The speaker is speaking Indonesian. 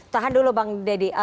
tahan dulu bang deddy